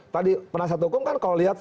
tadi penasihat hukum kan kalau lihat